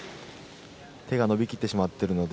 手が伸び切ってしまっているので。